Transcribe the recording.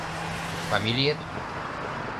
Фамилиет?